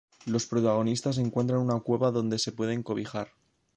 Los protagonistas encuentran una cueva donde se pueden cobijar.